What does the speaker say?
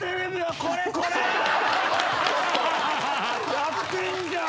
やってんじゃん！